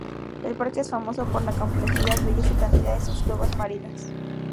El parque es famoso por la complejidad, belleza y cantidad de sus cuevas marinas.